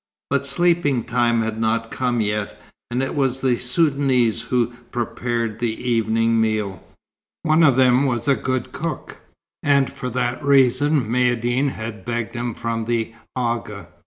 But sleeping time had not come yet; and it was the Soudanese who prepared the evening meal. One of them was a good cook, and for that reason Maïeddine had begged him from the Agha.